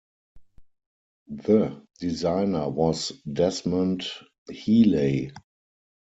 The designer was Desmond Heeley.